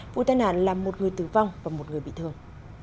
vụ tai nạn làm một người tử vong và một người bị thương